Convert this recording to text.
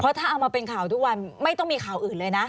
ถ้าเอามาเป็นข่าวทุกวันไม่ต้องมีข่าวอื่นเลยนะ